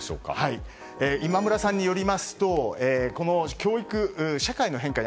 今村さんによりますとこの教育、社会の変化に